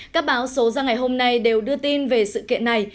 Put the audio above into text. các báo số ra ngày hôm nay đều đưa tin về sự kiện này